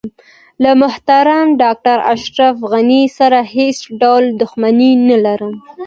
له محترم ډاکټر اشرف غني سره هیڅ ډول دښمني نه لرم.